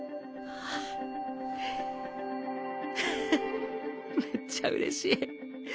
ははっめっちゃうれしい。